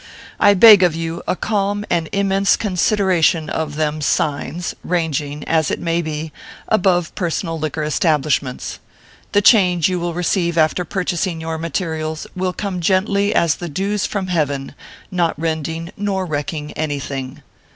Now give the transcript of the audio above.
I beg of you a calm and immense consideration of them (signs), ranging, it may be, above personal liquor establishments. The change you will receive after purchasing your materials will come gently as the dues from heaven not rending nor wrecking anything.